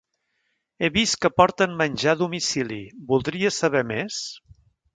He vist que porten menjar a domicili, voldria saber més?